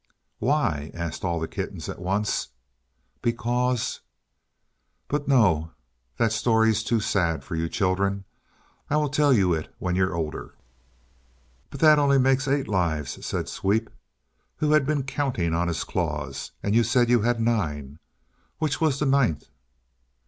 "Why?" asked all the kittens at once. "Because but no; that story's too sad for you children; I will tell it you when you're older." "But that only makes eight lives," said Sweep, who had been counting on his claws, "and you said you had nine. Which was the ninth?"